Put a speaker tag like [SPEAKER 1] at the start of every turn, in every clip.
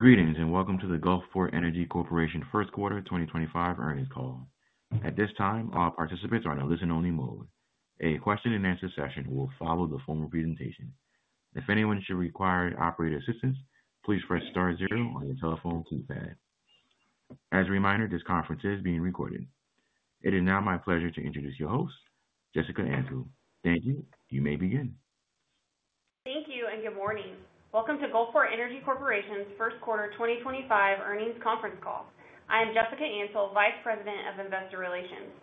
[SPEAKER 1] Greetings and welcome to the Gulfport Energy Corporation First Quarter 2025 earnings call. At this time, all participants are in a listen-only mode. A question-and-answer session will follow the formal presentation. If anyone should require operator assistance, please press star zero on your telephone keypad. As a reminder, this conference is being recorded. It is now my pleasure to introduce your host, Jessica Antle. Thank you. You may begin.
[SPEAKER 2] Thank you and good morning. Welcome to Gulfport Energy Corporation's First Quarter 2025 earnings conference call. I am Jessica Antle, Vice President of Investor Relations.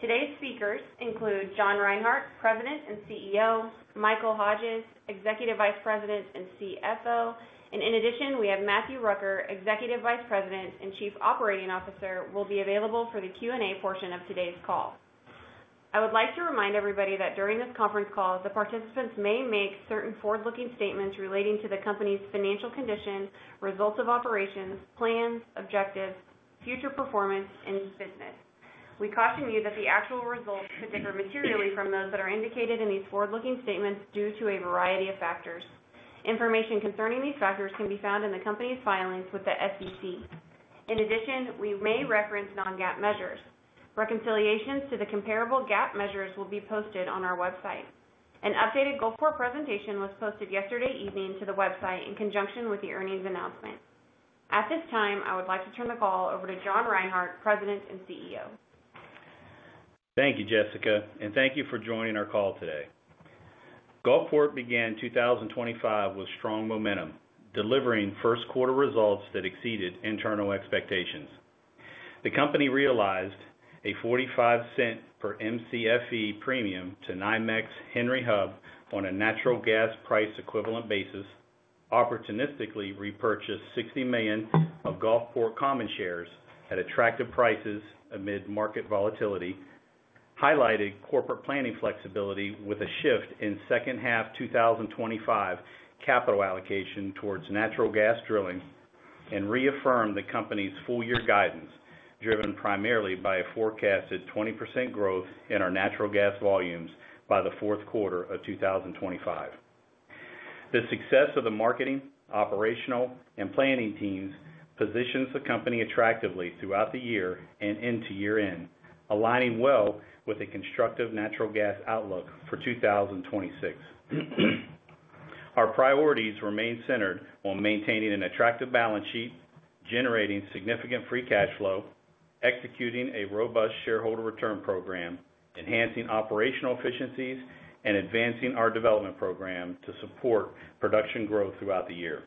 [SPEAKER 2] Today's speakers include John Reinhart, President and CEO, Michael Hodges, Executive Vice President and CFO, and in addition, we have Matthew Rucker, Executive Vice President and Chief Operating Officer, who will be available for the Q&A portion of today's call. I would like to remind everybody that during this conference call, the participants may make certain forward-looking statements relating to the company's financial condition, results of operations, plans, objectives, future performance, and business. We caution you that the actual results could differ materially from those that are indicated in these forward-looking statements due to a variety of factors. Information concerning these factors can be found in the company's filings with the SEC. In addition, we may reference non-GAAP measures. Reconciliations to the comparable GAAP measures will be posted on our website. An updated Gulfport presentation was posted yesterday evening to the website in conjunction with the earnings announcement. At this time, I would like to turn the call over to John Reinhart, President and CEO.
[SPEAKER 3] Thank you, Jessica, and thank you for joining our call today. Gulfport began 2025 with strong momentum, delivering first-quarter results that exceeded internal expectations. The company realized a $0.45 per Mcfe premium to NYMEX Henry Hub on a natural gas price equivalent basis, opportunistically repurchased $60 million of Gulfport common shares at attractive prices amid market volatility, highlighted corporate planning flexibility with a shift in second-half 2025 capital allocation towards natural gas drilling, and reaffirmed the company's full-year guidance driven primarily by a forecasted 20% growth in our natural gas volumes by the fourth quarter of 2025. The success of the marketing, operational, and planning teams positions the company attractively throughout the year and into year-end, aligning well with a constructive natural gas outlook for 2026. Our priorities remain centered on maintaining an attractive balance sheet, generating significant free cash flow, executing a robust shareholder return program, enhancing operational efficiencies, and advancing our development program to support production growth throughout the year.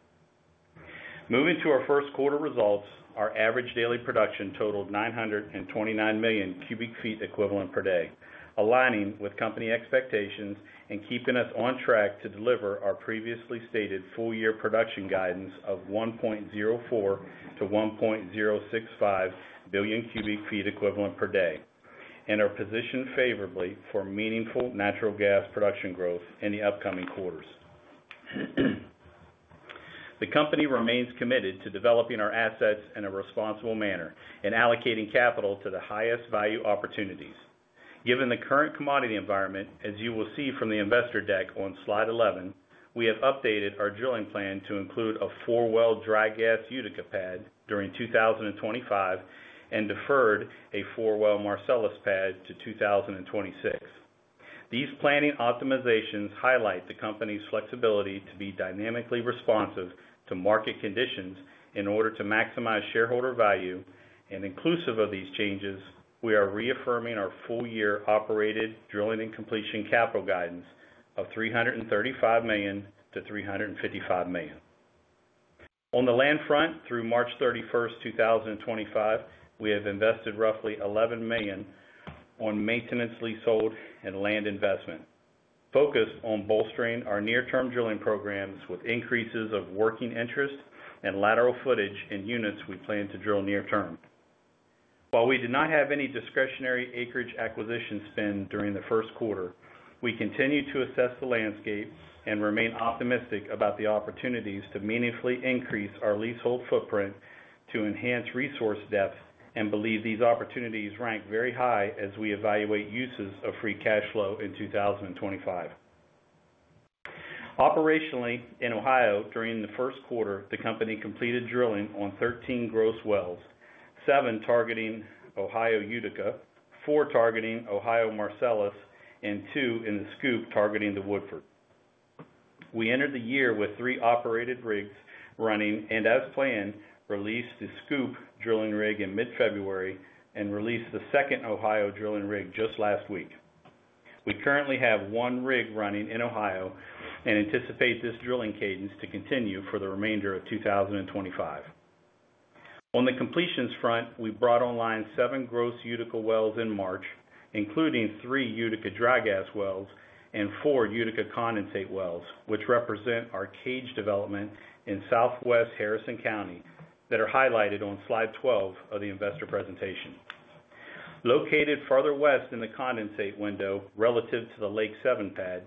[SPEAKER 3] Moving to our first-quarter results, our average daily production totaled 929 million cu ft equivalent per day, aligning with company expectations and keeping us on track to deliver our previously stated full-year production guidance of 1.04 billion-1.065 billion cu ft equivalent per day, and our position favorably for meaningful natural gas production growth in the upcoming quarters. The company remains committed to developing our assets in a responsible manner and allocating capital to the highest value opportunities. Given the current commodity environment, as you will see from the investor deck on slide 11, we have updated our drilling plan to include a four-well dry gas Utica pad during 2025 and deferred a four-well Marcellus pad to 2026. These planning optimizations highlight the company's flexibility to be dynamically responsive to market conditions in order to maximize shareholder value, and inclusive of these changes, we are reaffirming our full-year operated drilling and completion capital guidance of $335 million-$355 million. On the land front, through March 31st, 2025, we have invested roughly $11 million on maintenance leasehold and land investment, focused on bolstering our near-term drilling programs with increases of working interest and lateral footage in units we plan to drill near-term. While we did not have any discretionary acreage acquisition spend during the first quarter, we continue to assess the landscape and remain optimistic about the opportunities to meaningfully increase our leasehold footprint to enhance resource depth and believe these opportunities rank very high as we evaluate uses of free cash flow in 2025. Operationally, in Ohio, during the first quarter, the company completed drilling on 13 gross wells, seven targeting Ohio Utica, four targeting Ohio Marcellus, and two in the SCOOP targeting the Woodford. We entered the year with three operated rigs running and, as planned, released the SCOOP drilling rig in mid-February and released the second Ohio drilling rig just last week. We currently have one rig running in Ohio and anticipate this drilling cadence to continue for the remainder of 2025. On the completions front, we brought online seven gross Utica wells in March, including three Utica dry gas wells and four Utica condensate wells, which represent our Cage development in southwest Harrison County that are highlighted on slide 12 of the investor presentation. Located farther west in the condensate window relative to the Lake VII pad,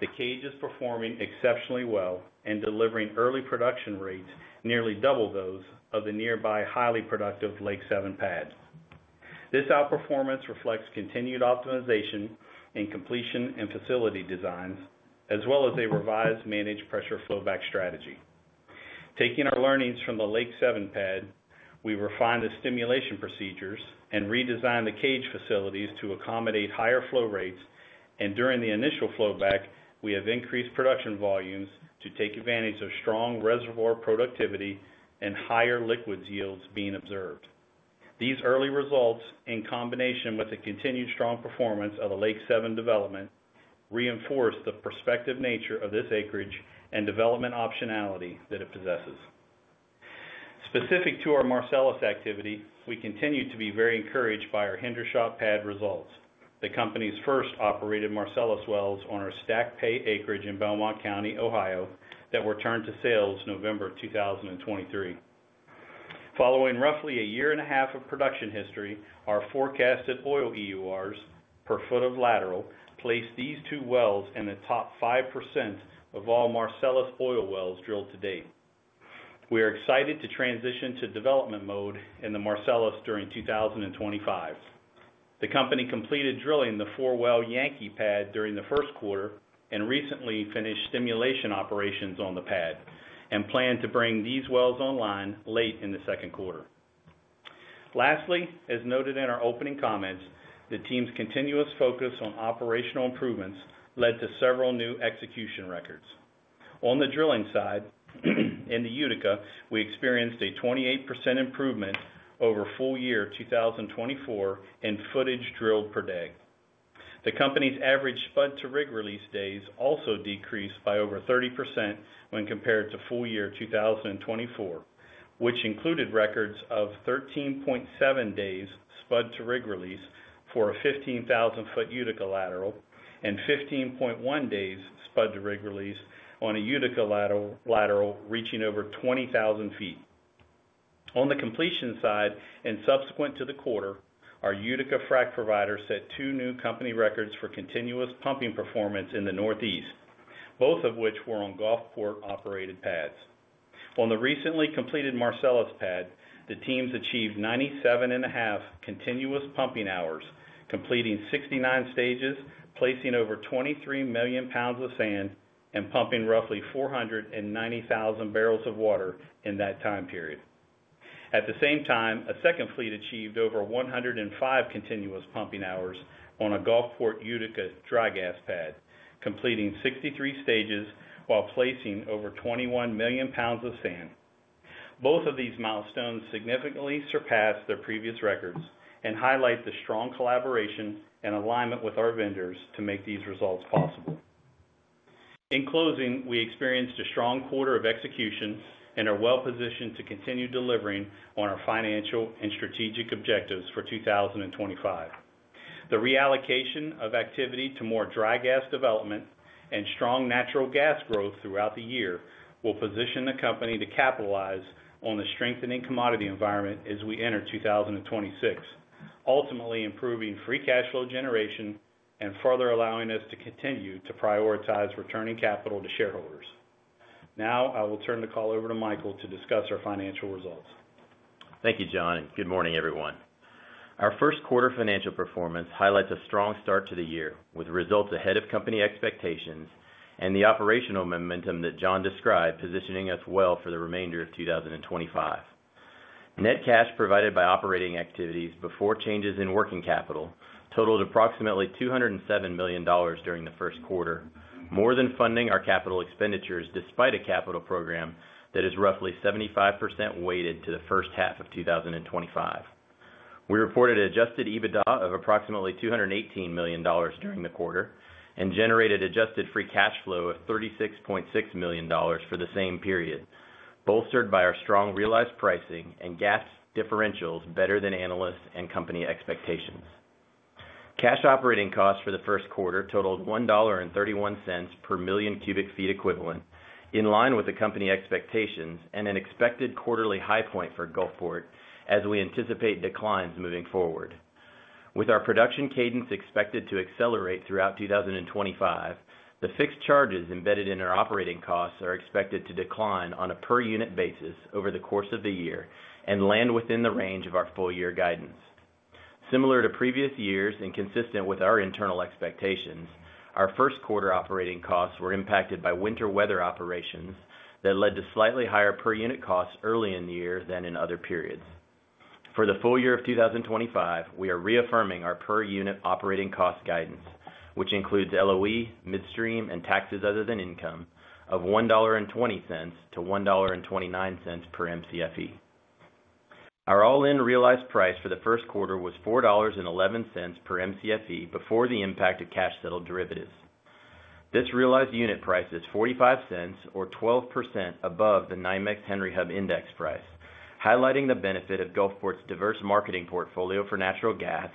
[SPEAKER 3] the Cage is performing exceptionally well and delivering early production rates nearly double those of the nearby highly productive Lake VII pad. This outperformance reflects continued optimization in completion and facility designs, as well as a revised managed pressure flowback strategy. Taking our learnings from the Lake VII pad, we refined the stimulation procedures and redesigned the Cage facilities to accommodate higher flow rates, and during the initial flowback, we have increased production volumes to take advantage of strong reservoir productivity and higher liquids yields being observed. These early results, in combination with the continued strong performance of the Lake VII development, reinforce the prospective nature of this acreage and development optionality that it possesses. Specific to our Marcellus activity, we continue to be very encouraged by our Hendershot pad results, the company's first operated Marcellus wells on our STACK Pay acreage in Belmont County, Ohio, that were turned to sales November 2023. Following roughly a year and a half of production history, our forecasted oil EURs per foot of lateral placed these two wells in the top 5% of all Marcellus oil wells drilled to date. We are excited to transition to development mode in the Marcellus during 2025. The company completed drilling the four-well Yankee pad during the first quarter and recently finished stimulation operations on the pad and planned to bring these wells online late in the second quarter. Lastly, as noted in our opening comments, the team's continuous focus on operational improvements led to several new execution records. On the drilling side, in the Utica, we experienced a 28% improvement over full-year 2024 in footage drilled per day. The company's average spud-to-rig release days also decreased by over 30% when compared to full-year 2024, which included records of 13.7 days spud-to-rig release for a 15,000 ft Utica lateral and 15.1 days spud-to-rig release on a Utica lateral reaching over 20,000 ft. On the completion side and subsequent to the quarter, our Utica frac provider set two new company records for continuous pumping performance in the northeast, both of which were on Gulfport operated pads. On the recently completed Marcellus pad, the teams achieved 97.5 continuous pumping hours, completing 69 stages, placing over 23 million lbs of sand, and pumping roughly 490,000 bbl of water in that time period. At the same time, a second fleet achieved over 105 continuous pumping hours on a Gulfport Utica dry gas pad, completing 63 stages while placing over 21 million lbs of sand. Both of these milestones significantly surpass their previous records and highlight the strong collaboration and alignment with our vendors to make these results possible. In closing, we experienced a strong quarter of execution and are well-positioned to continue delivering on our financial and strategic objectives for 2025. The reallocation of activity to more dry gas development and strong natural gas growth throughout the year will position the company to capitalize on the strengthening commodity environment as we enter 2026, ultimately improving free cash flow generation and further allowing us to continue to prioritize returning capital to shareholders. Now, I will turn the call over to Michael to discuss our financial results.
[SPEAKER 4] Thank you, John, and good morning, everyone. Our first quarter financial performance highlights a strong start to the year with results ahead of company expectations and the operational momentum that John described, positioning us well for the remainder of 2025. Net cash provided by operating activities before changes in working capital totaled approximately $207 million during the first quarter, more than funding our capital expenditures despite a capital program that is roughly 75% weighted to the first half of 2025. We reported an adjusted EBITDA of approximately $218 million during the quarter and generated adjusted free cash flow of $36.6 million for the same period, bolstered by our strong realized pricing and gas differentials better than analysts' and company expectations. Cash operating costs for the first quarter totaled $1.31 per million cu ft equivalent, in line with the company expectations and an expected quarterly high point for Gulfport as we anticipate declines moving forward. With our production cadence expected to accelerate throughout 2025, the fixed charges embedded in our operating costs are expected to decline on a per-unit basis over the course of the year and land within the range of our full-year guidance. Similar to previous years and consistent with our internal expectations, our first quarter operating costs were impacted by winter weather operations that led to slightly higher per-unit costs early in the year than in other periods. For the full year of 2025, we are reaffirming our per-unit operating cost guidance, which includes LOE, midstream, and taxes other than income of $1.20-$1.29 per Mcfe. Our all-in realized price for the first quarter was $4.11 per Mcfe before the impact of cash settled derivatives. This realized unit price is $0.45 or 12% above the NYMEX Henry Hub index price, highlighting the benefit of Gulfport's diverse marketing portfolio for natural gas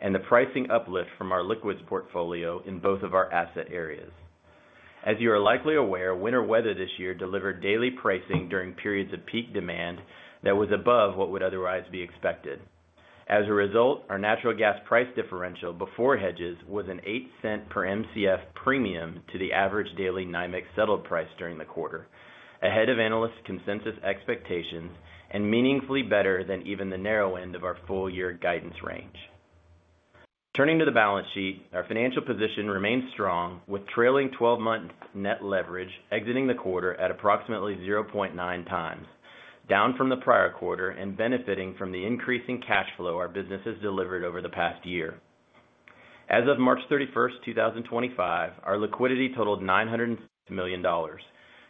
[SPEAKER 4] and the pricing uplift from our liquids portfolio in both of our asset areas. As you are likely aware, winter weather this year delivered daily pricing during periods of peak demand that was above what would otherwise be expected. As a result, our natural gas price differential before hedges was an $0.08 per Mcf premium to the average daily NYMEX settled price during the quarter, ahead of analysts' consensus expectations and meaningfully better than even the narrow end of our full-year guidance range. Turning to the balance sheet, our financial position remains strong with trailing 12-month net leverage exiting the quarter at approximately 0.9 times, down from the prior quarter and benefiting from the increasing cash flow our business has delivered over the past year. As of March 31st, 2025, our liquidity totaled $906 million,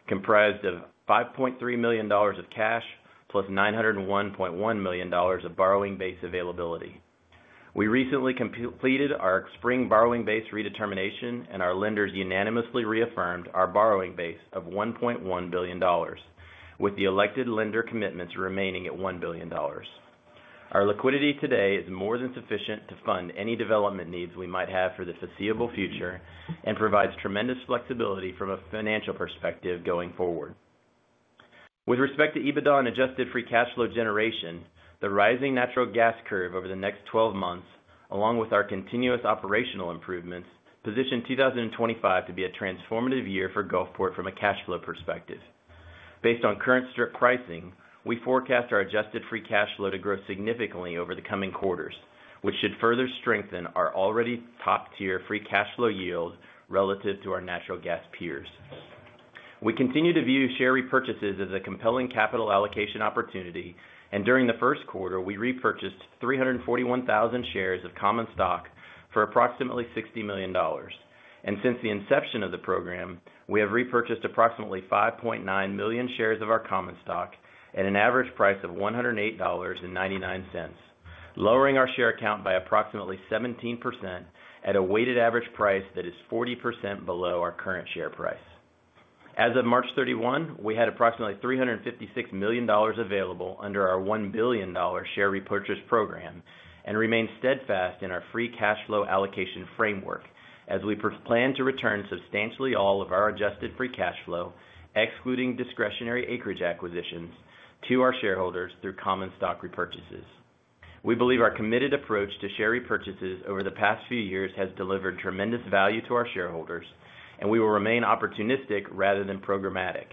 [SPEAKER 4] comprised of $5.3 million of cash plus $901.1 million of borrowing base availability. We recently completed our spring borrowing base redetermination and our lenders unanimously reaffirmed our borrowing base of $1.1 billion, with the elected lender commitments remaining at $1 billion. Our liquidity today is more than sufficient to fund any development needs we might have for the foreseeable future and provides tremendous flexibility from a financial perspective going forward. With respect to EBITDA and adjusted free cash flow generation, the rising natural gas curve over the next 12 months, along with our continuous operational improvements, position 2025 to be a transformative year for Gulfport from a cash flow perspective. Based on current strip pricing, we forecast our adjusted free cash flow to grow significantly over the coming quarters, which should further strengthen our already top-tier free cash flow yield relative to our natural gas peers. We continue to view share repurchases as a compelling capital allocation opportunity, and during the first quarter, we repurchased 341,000 shares of Common Stock for approximately $60 million. Since the inception of the program, we have repurchased approximately 5.9 million shares of our Common Stock at an average price of $108.99, lowering our share count by approximately 17% at a weighted average price that is 40% below our current share price. As of March 31st, we had approximately $356 million available under our $1 billion share repurchase program and remain steadfast in our free cash flow allocation framework as we plan to return substantially all of our adjusted free cash flow, excluding discretionary acreage acquisitions, to our shareholders through Common Stock repurchases. We believe our committed approach to share repurchases over the past few years has delivered tremendous value to our shareholders, and we will remain opportunistic rather than programmatic,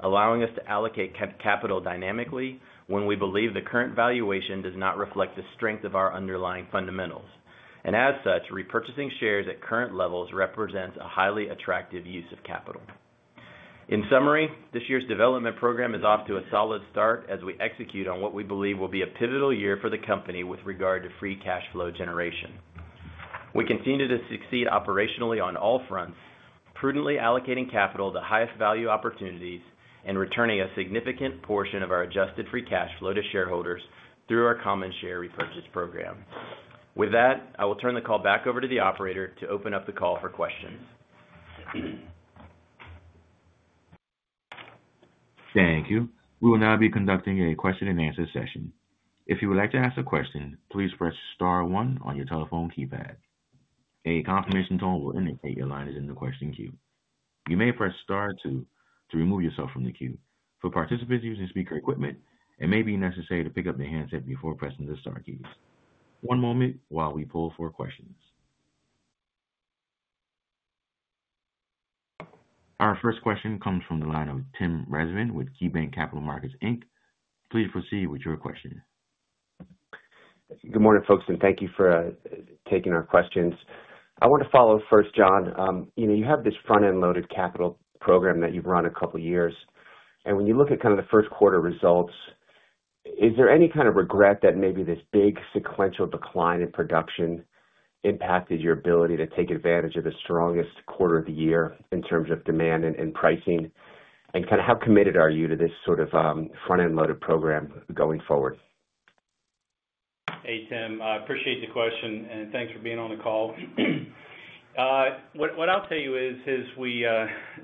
[SPEAKER 4] allowing us to allocate capital dynamically when we believe the current valuation does not reflect the strength of our underlying fundamentals. Repurchasing shares at current levels represents a highly attractive use of capital. In summary, this year's development program is off to a solid start as we execute on what we believe will be a pivotal year for the company with regard to free cash flow generation. We continue to succeed operationally on all fronts, prudently allocating capital to highest value opportunities and returning a significant portion of our adjusted free cash flow to shareholders through our Common Share Repurchase Program. With that, I will turn the call back over to the operator to open up the call for questions.
[SPEAKER 1] Thank you. We will now be conducting a question-and-answer session. If you would like to ask a question, please press star one on your telephone keypad. A confirmation tone will indicate your line is in the question queue. You may press star two to remove yourself from the queue. For participants using speaker equipment, it may be necessary to pick up the handset before pressing the star keys. One moment while we pull for questions. Our first question comes from the line of Tim Rezvan with KeyBanc Capital Markets. Please proceed with your question.
[SPEAKER 5] Good morning, folks, and thank you for taking our questions. I want to follow first, John. You have this front-end loaded capital program that you've run a couple of years. When you look at kind of the first quarter results, is there any kind of regret that maybe this big sequential decline in production impacted your ability to take advantage of the strongest quarter of the year in terms of demand and pricing? How committed are you to this sort of front-end loaded program going forward?
[SPEAKER 3] Hey, Tim. I appreciate the question, and thanks for being on the call. What I'll tell you is, as we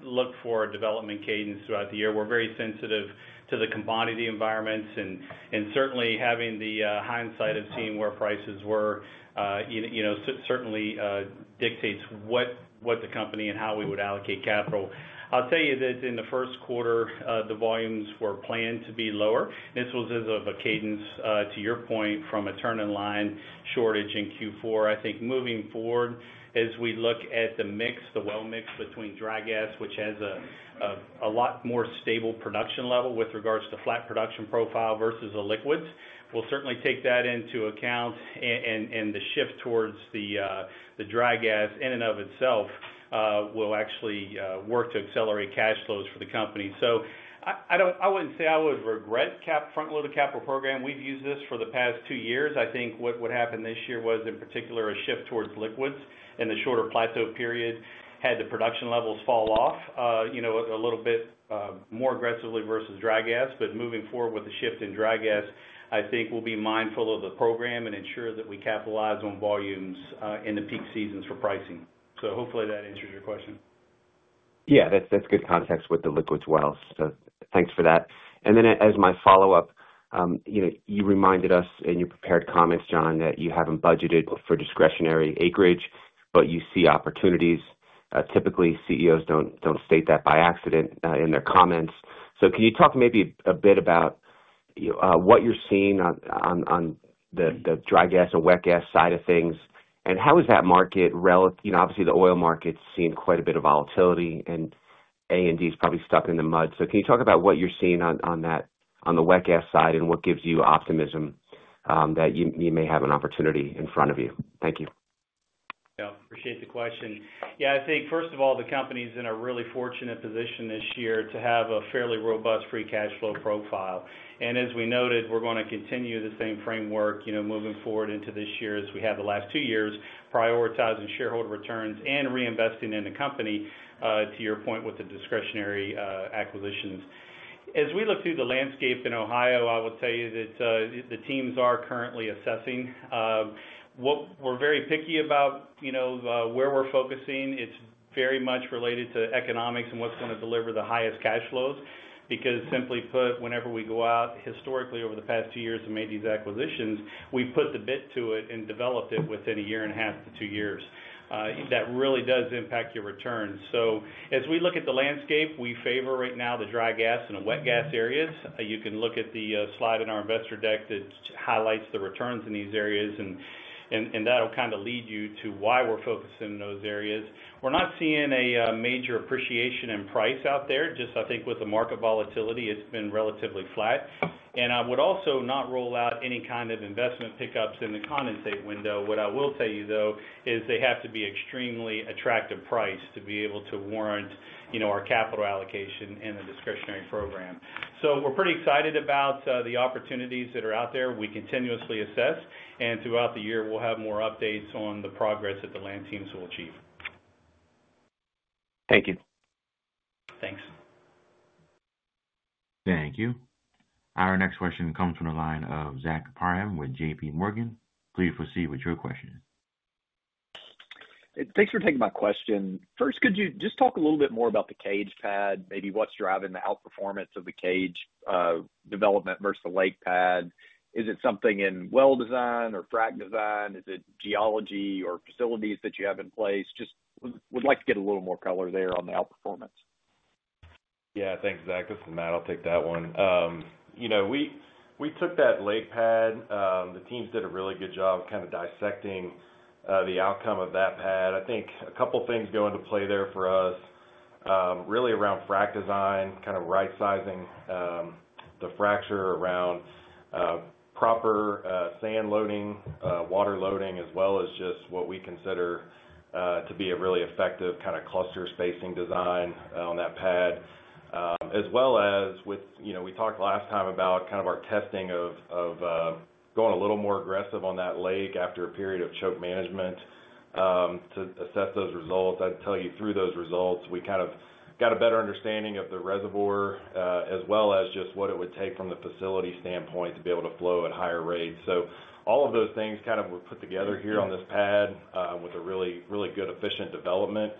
[SPEAKER 3] look for development cadence throughout the year, we're very sensitive to the commodity environments. Certainly, having the hindsight of seeing where prices were certainly dictates what the company and how we would allocate capital. I'll tell you that in the first quarter, the volumes were planned to be lower. This was as of a cadence, to your point, from a turn-in-line shortage in Q4. I think moving forward, as we look at the mix, the well mix between dry gas, which has a lot more stable production level with regards to flat production profile versus a liquids, we'll certainly take that into account. The shift towards the dry gas in and of itself will actually work to accelerate cash flows for the company. I wouldn't say I would regret front-loaded capital program. We've used this for the past two years. I think what happened this year was, in particular, a shift towards liquids in the shorter plateau period had the production levels fall off a little bit more aggressively versus dry gas. Moving forward with the shift in dry gas, I think we'll be mindful of the program and ensure that we capitalize on volumes in the peak seasons for pricing. Hopefully that answers your question.
[SPEAKER 5] Yeah, that's good context with the liquids wells. Thanks for that. As my follow-up, you reminded us in your prepared comments, John, that you have not budgeted for discretionary acreage, but you see opportunities. Typically, CEOs do not state that by accident in their comments. Can you talk maybe a bit about what you are seeing on the dry gas and wet gas side of things? How is that market? Obviously, the oil market has seen quite a bit of volatility, and A&D is probably stuck in the mud. Can you talk about what you are seeing on the wet gas side and what gives you optimism that you may have an opportunity in front of you? Thank you.
[SPEAKER 3] Yeah, appreciate the question. Yeah, I think first of all, the company's in a really fortunate position this year to have a fairly robust free cash flow profile. As we noted, we're going to continue the same framework moving forward into this year as we had the last two years, prioritizing shareholder returns and reinvesting in the company, to your point, with the discretionary acquisitions. As we look through the landscape in Ohio, I will tell you that the teams are currently assessing. We're very picky about where we're focusing. It's very much related to economics and what's going to deliver the highest cash flows. Because simply put, whenever we go out, historically, over the past two years and made these acquisitions, we put the bit to it and developed it within 1.5-2 years. That really does impact your returns. As we look at the landscape, we favor right now the dry gas and the wet gas areas. You can look at the slide in our investor deck that highlights the returns in these areas, and that'll kind of lead you to why we're focusing in those areas. We're not seeing a major appreciation in price out there. I think with the market volatility, it's been relatively flat. I would also not rule out any kind of investment pickups in the condensate window. What I will tell you, though, is they have to be extremely attractive price to be able to warrant our capital allocation and the discretionary program. We're pretty excited about the opportunities that are out there. We continuously assess, and throughout the year, we'll have more updates on the progress that the land teams will achieve.
[SPEAKER 5] Thank you.
[SPEAKER 3] Thanks.
[SPEAKER 1] Thank you. Our next question comes from the line of Zach Parham with JPMorgan. Please proceed with your question.
[SPEAKER 6] Thanks for taking my question. First, could you just talk a little bit more about the Cage pad, maybe what's driving the outperformance of the Cage development versus the Lake pad? Is it something in well design or frac design? Is it geology or facilities that you have in place? Just would like to get a little more color there on the outperformance.
[SPEAKER 7] Yeah, thanks, Zach. This is Matt. I'll take that one. We took that lake pad. The teams did a really good job kind of dissecting the outcome of that pad. I think a couple of things go into play there for us, really around frac design, kind of right-sizing the fracture around proper sand loading, water loading, as well as just what we consider to be a really effective kind of cluster spacing design on that pad. As well as we talked last time about kind of our testing of going a little more aggressive on that lake after a period of choke management to assess those results. I'd tell you through those results, we kind of got a better understanding of the reservoir as well as just what it would take from the facility standpoint to be able to flow at higher rates. All of those things kind of were put together here on this pad with a really, really good efficient development.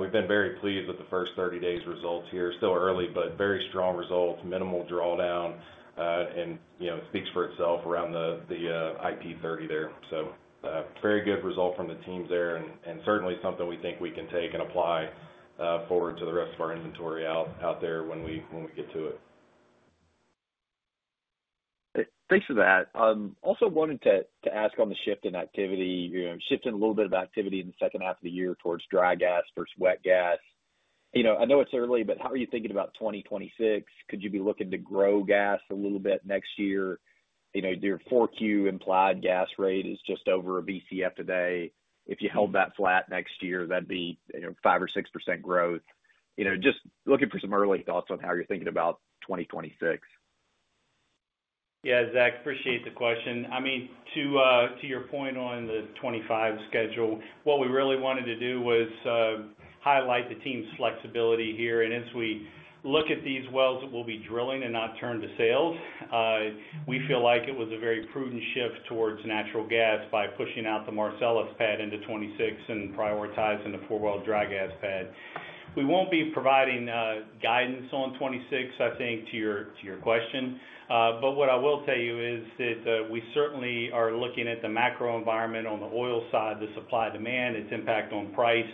[SPEAKER 7] We've been very pleased with the first 30 days' results here. Still early, but very strong results, minimal drawdown, and speaks for itself around the IP30 there. Very good result from the teams there and certainly something we think we can take and apply forward to the rest of our inventory out there when we get to it.
[SPEAKER 6] Thanks for that. Also wanted to ask on the shift in activity, shifting a little bit of activity in the second half of the year towards dry gas versus wet gas. I know it's early, but how are you thinking about 2026? Could you be looking to grow gas a little bit next year? Your Q4 implied gas rate is just over a BCF today. If you held that flat next year, that'd be 5% or 6% growth. Just looking for some early thoughts on how you're thinking about 2026.
[SPEAKER 3] Yeah, Zach, appreciate the question. I mean, to your point on the 2025 schedule, what we really wanted to do was highlight the team's flexibility here. As we look at these wells that we'll be drilling and not turn to sales, we feel like it was a very prudent shift towards natural gas by pushing out the Marcellus pad into 2026 and prioritizing the four-well dry gas pad. We won't be providing guidance on 2026, I think, to your question. What I will tell you is that we certainly are looking at the macro environment on the oil side, the supply demand, its impact on price.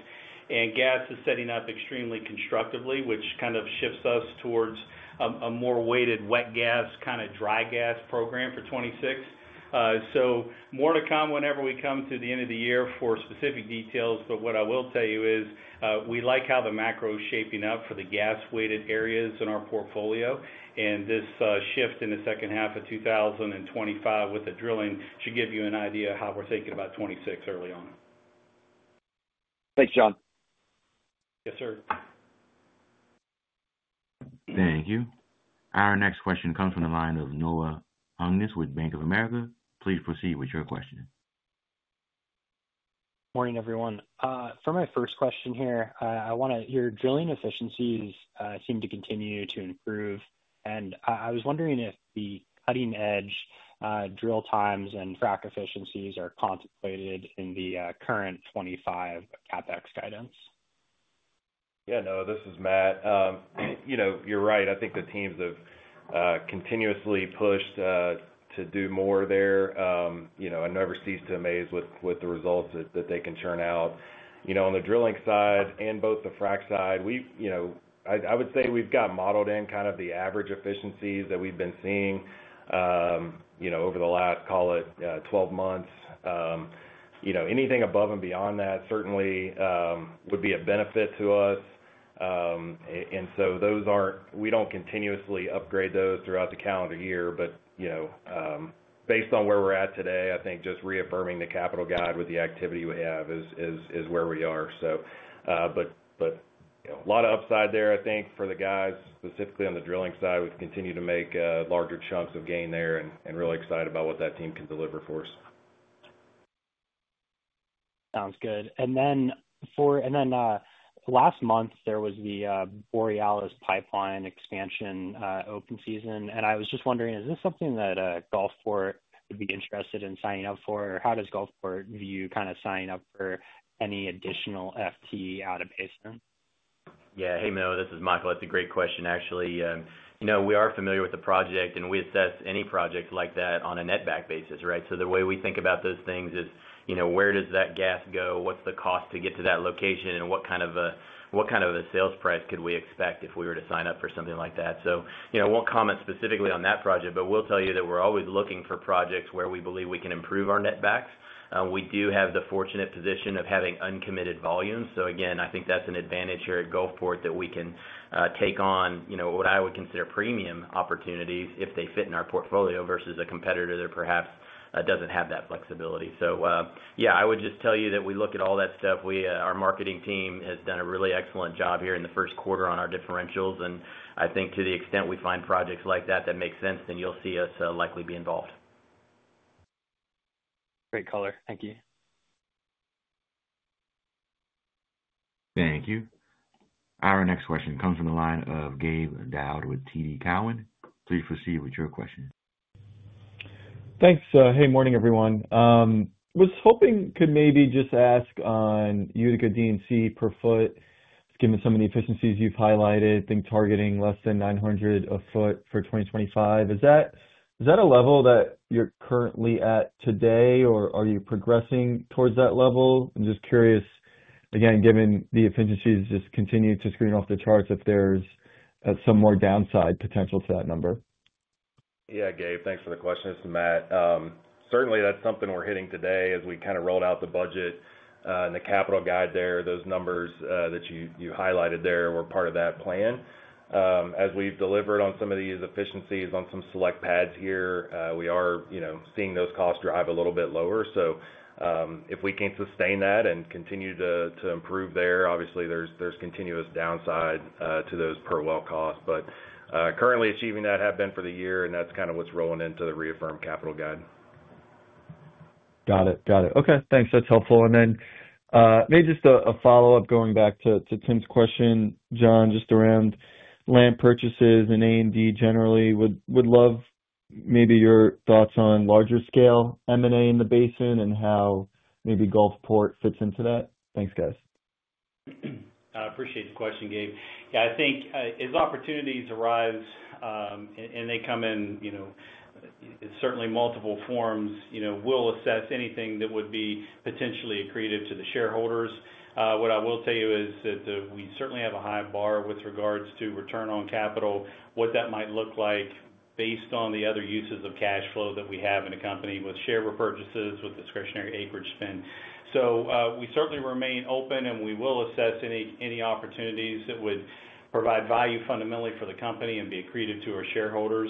[SPEAKER 3] Gas is setting up extremely constructively, which kind of shifts us towards a more weighted wet gas kind of dry gas program for 2026. More to come whenever we come to the end of the year for specific details. What I will tell you is we like how the macro is shaping up for the gas-weighted areas in our portfolio. This shift in the second half of 2025 with the drilling should give you an idea of how we're thinking about 2026 early on.
[SPEAKER 6] Thanks, John.
[SPEAKER 3] Yes, sir.
[SPEAKER 1] Thank you. Our next question comes from the line of Noah Hungness with Bank of America. Please proceed with your question.
[SPEAKER 8] Morning, everyone. For my first question here, your drilling efficiencies seem to continue to improve. I was wondering if the cutting-edge drill times and frac efficiencies are contemplated in the current 2025 CapEx guidance.
[SPEAKER 7] Yeah, no, this is Matt. You're right. I think the teams have continuously pushed to do more there. It never ceases to amaze with the results that they can churn out. On the drilling side and both the frac side, I would say we've got modeled in kind of the average efficiencies that we've been seeing over the last, call it, 12 months. Anything above and beyond that certainly would be a benefit to us. We do not continuously upgrade those throughout the calendar year. Based on where we're at today, I think just reaffirming the capital guide with the activity we have is where we are. A lot of upside there, I think, for the guys, specifically on the drilling side. We've continued to make larger chunks of gain there and really excited about what that team can deliver for us.
[SPEAKER 8] Sounds good. Last month, there was the Borealis pipeline expansion open season. I was just wondering, is this something that Gulfport would be interested in signing up for? How does Gulfport view kind of signing up for any additional FTE out of basement?
[SPEAKER 4] Yeah, hey, Mill, this is Michael. That's a great question, actually. We are familiar with the project, and we assess any project like that on a net back basis, right? The way we think about those things is, where does that gas go? What's the cost to get to that location? What kind of a sales price could we expect if we were to sign up for something like that? I won't comment specifically on that project, but I'll tell you that we're always looking for projects where we believe we can improve our net backs. We do have the fortunate position of having uncommitted volumes. Again, I think that's an advantage here at Gulfport that we can take on what I would consider premium opportunities if they fit in our portfolio versus a competitor that perhaps doesn't have that flexibility. Yeah, I would just tell you that we look at all that stuff. Our marketing team has done a really excellent job here in the first quarter on our differentials. I think to the extent we find projects like that that make sense, then you'll see us likely be involved.
[SPEAKER 8] Great color. Thank you.
[SPEAKER 1] Thank you. Our next question comes from the line of Gabe Daoud with TD Cowen. Please proceed with your question.
[SPEAKER 9] Thanks. Hey, morning, everyone. Was hoping could maybe just ask on Utica D&C per ft, given some of the efficiencies you've highlighted, been targeting less than $900 a foot for 2025. Is that a level that you're currently at today, or are you progressing towards that level? I'm just curious, again, given the efficiencies just continue to screen off the charts if there's some more downside potential to that number.
[SPEAKER 7] Yeah, Gabe, thanks for the question. This is Matt. Certainly, that's something we're hitting today as we kind of rolled out the budget and the capital guide there. Those numbers that you highlighted there were part of that plan. As we've delivered on some of these efficiencies on some select pads here, we are seeing those costs drive a little bit lower. If we can sustain that and continue to improve there, obviously, there's continuous downside to those per well costs. Currently, achieving that has been for the year, and that's kind of what's rolling into the reaffirmed capital guide.
[SPEAKER 9] Got it. Got it. Okay. Thanks. That's helpful. Maybe just a follow-up going back to Tim's question, John, just around land purchases and A&D generally. Would love maybe your thoughts on larger scale M&A in the basin and how maybe Gulfport fits into that. Thanks, guys.
[SPEAKER 3] I appreciate the question, Gabe. Yeah, I think as opportunities arise and they come in, certainly multiple forms, we'll assess anything that would be potentially accretive to the shareholders. What I will tell you is that we certainly have a high bar with regards to return on capital, what that might look like based on the other uses of cash flow that we have in a company with share repurchases, with discretionary acreage spend. We certainly remain open, and we will assess any opportunities that would provide value fundamentally for the company and be accretive to our shareholders.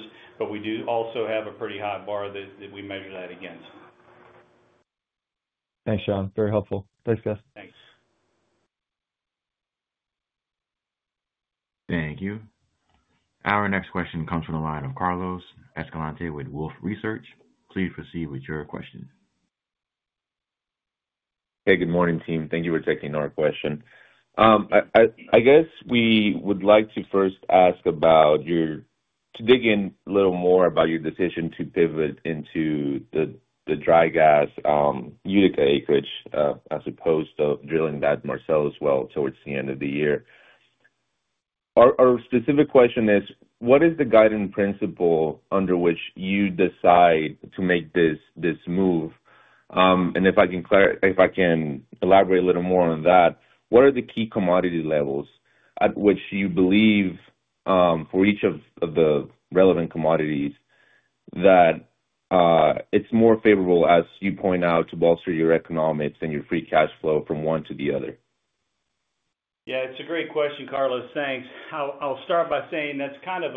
[SPEAKER 3] We do also have a pretty high bar that we measure that against.
[SPEAKER 9] Thanks, John. Very helpful. Thanks, guys.
[SPEAKER 3] Thanks.
[SPEAKER 1] Thank you. Our next question comes from the line of Carlos Escalante with Wolfe Research. Please proceed with your question.
[SPEAKER 10] Hey, good morning, team. Thank you for taking our question. I guess we would like to first ask about your, to dig in a little more about your decision to pivot into the dry gas Utica acreage as opposed to drilling that Marcellus well towards the end of the year. Our specific question is, what is the guiding principle under which you decide to make this move? If I can elaborate a little more on that, what are the key commodity levels at which you believe for each of the relevant commodities that it's more favorable, as you point out, to bolster your economics and your free cash flow from one to the other?
[SPEAKER 3] Yeah, it's a great question, Carlos. Thanks. I'll start by saying that's kind of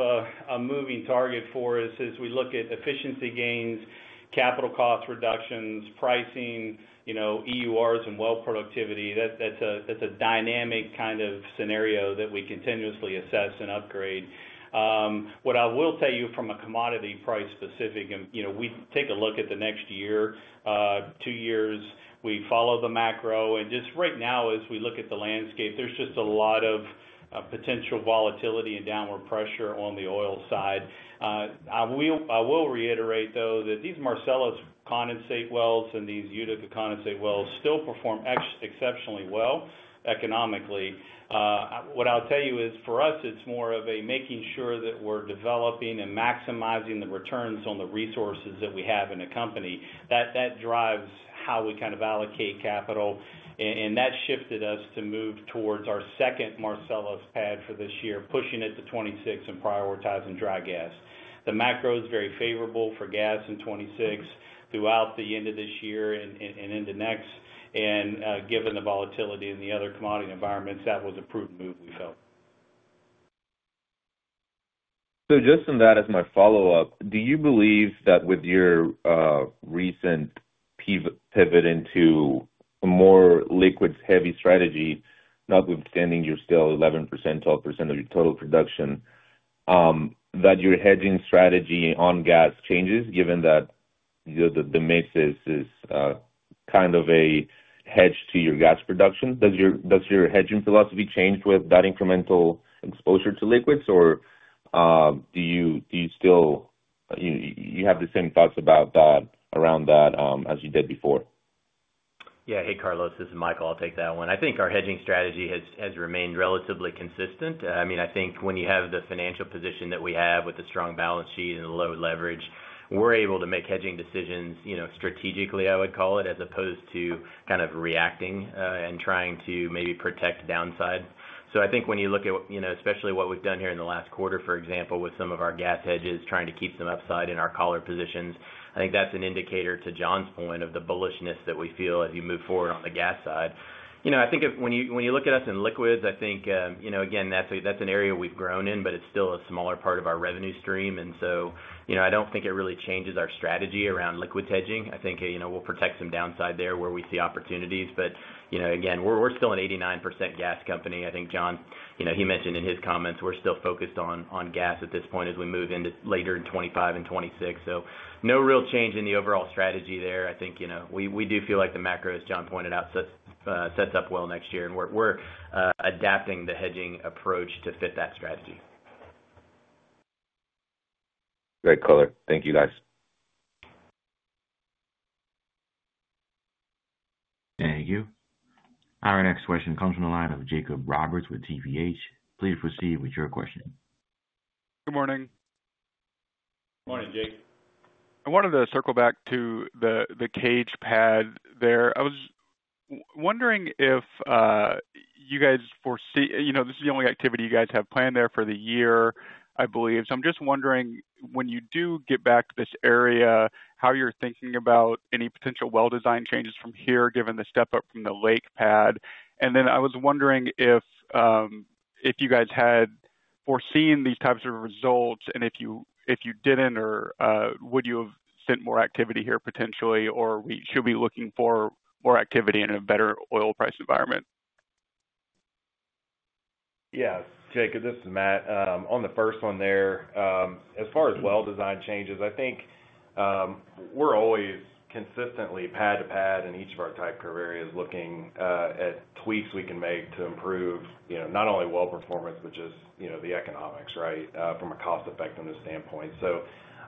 [SPEAKER 3] a moving target for us as we look at efficiency gains, capital cost reductions, pricing, EURs, and well productivity. That's a dynamic kind of scenario that we continuously assess and upgrade. What I will tell you from a commodity price specific, we take a look at the next year, two years. We follow the macro. Just right now, as we look at the landscape, there's just a lot of potential volatility and downward pressure on the oil side. I will reiterate, though, that these Marcellus condensate wells and these Utica condensate wells still perform exceptionally well economically. What I'll tell you is, for us, it's more of a making sure that we're developing and maximizing the returns on the resources that we have in a company. That drives how we kind of allocate capital. That shifted us to move towards our second Marcellus pad for this year, pushing it to 2026 and prioritizing dry gas. The macro is very favorable for gas in 2026 throughout the end of this year and into next. Given the volatility in the other commodity environments, that was a prudent move, we felt.
[SPEAKER 10] Just on that, as my follow-up, do you believe that with your recent pivot into a more liquids-heavy strategy, notwithstanding you're still 11%-12% of your total production, that your hedging strategy on gas changes, given that the mix is kind of a hedge to your gas production? Does your hedging philosophy change with that incremental exposure to liquids, or do you still have the same thoughts around that as you did before?
[SPEAKER 4] Yeah. Hey, Carlos. This is Michael. I'll take that one. I think our hedging strategy has remained relatively consistent. I mean, I think when you have the financial position that we have with a strong balance sheet and low leverage, we're able to make hedging decisions strategically, I would call it, as opposed to kind of reacting and trying to maybe protect downside. I think when you look at especially what we've done here in the last quarter, for example, with some of our gas hedges, trying to keep some upside in our collar positions, I think that's an indicator to John's point of the bullishness that we feel as you move forward on the gas side. I think when you look at us in liquids, I think, again, that's an area we've grown in, but it's still a smaller part of our revenue stream. I do not think it really changes our strategy around liquid hedging. I think we will protect some downside there where we see opportunities. Again, we are still an 89% gas company. I think John, he mentioned in his comments, we are still focused on gas at this point as we move into later in 2025 and 2026. No real change in the overall strategy there. I think we do feel like the macro, as John pointed out, sets up well next year, and we are adapting the hedging approach to fit that strategy.
[SPEAKER 10] Great color. Thank you, guys.
[SPEAKER 1] Thank you. Our next question comes from the line of Jacob Roberts with TPH. Please proceed with your question.
[SPEAKER 11] Good morning.
[SPEAKER 3] Good morning, Jake.
[SPEAKER 11] I wanted to circle back to the Cage pad there. I was wondering if you guys foresee this is the only activity you guys have planned there for the year, I believe. I am just wondering, when you do get back to this area, how you're thinking about any potential well design changes from here, given the step up from the Lake pad. I was also wondering if you guys had foreseen these types of results, and if you did not, or would you have sent more activity here potentially, or should we be looking for more activity in a better oil price environment?
[SPEAKER 7] Yeah. Jacob, this is Matt. On the first one there, as far as well design changes, I think we're always consistently pad to pad in each of our type curve areas, looking at tweaks we can make to improve not only well performance, but just the economics, right, from a cost effectiveness standpoint.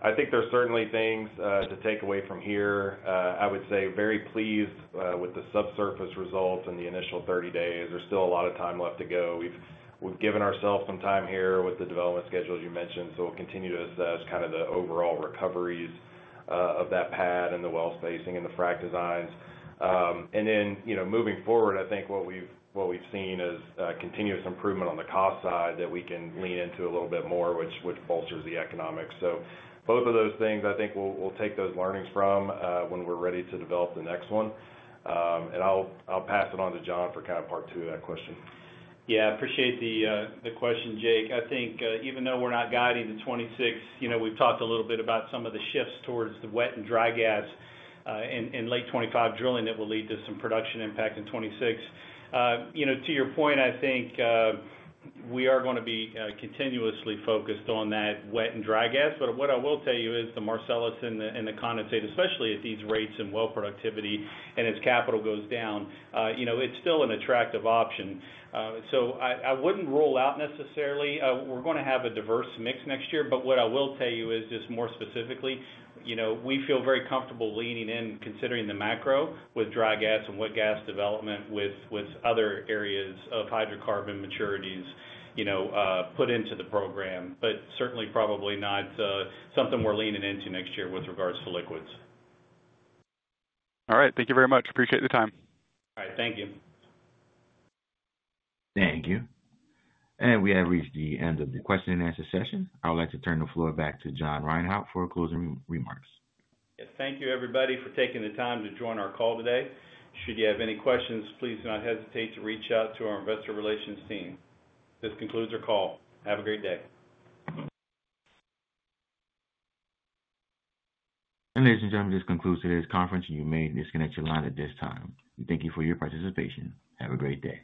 [SPEAKER 7] I think there's certainly things to take away from here. I would say very pleased with the subsurface results in the initial 30 days. There's still a lot of time left to go. We've given ourselves some time here with the development schedules you mentioned. We'll continue to assess kind of the overall recoveries of that pad and the well spacing and the frac designs. Moving forward, I think what we've seen is continuous improvement on the cost side that we can lean into a little bit more, which bolsters the economics. Both of those things, I think we'll take those learnings from when we're ready to develop the next one. I'll pass it on to John for kind of part two of that question.
[SPEAKER 3] Yeah. I appreciate the question, Jake. I think even though we're not guiding to 2026, we've talked a little bit about some of the shifts towards the wet and dry gas in late 2025 drilling that will lead to some production impact in 2026. To your point, I think we are going to be continuously focused on that wet and dry gas. What I will tell you is the Marcellus and the condensate, especially at these rates and well productivity, and as capital goes down, it's still an attractive option. I wouldn't rule out necessarily. We're going to have a diverse mix next year. What I will tell you is just more specifically, we feel very comfortable leaning in considering the macro with dry gas and wet gas development with other areas of hydrocarbon maturities put into the program, but certainly probably not something we're leaning into next year with regards to liquids.
[SPEAKER 11] All right. Thank you very much. Appreciate the time.
[SPEAKER 3] All right. Thank you.
[SPEAKER 1] Thank you. We have reached the end of the question-and-answer session. I would like to turn the floor back to John Reinhart for closing remarks.
[SPEAKER 3] Thank you, everybody, for taking the time to join our call today. Should you have any questions, please do not hesitate to reach out to our investor relations team. This concludes our call. Have a great day.
[SPEAKER 1] Ladies and gentlemen, this concludes today's conference, and you may disconnect your line at this time. Thank you for your participation. Have a great day.